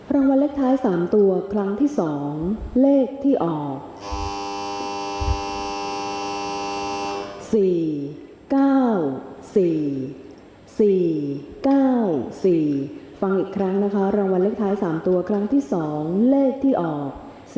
รางวัลเล็กท้าย๓ตัวครั้งที่๒เลขที่ออก๔๙๔๔๙๔ฟังอีกครั้งนะคะรางวัลเล็กท้าย๓ตัวครั้งที่๒เลขที่ออก๔๙๔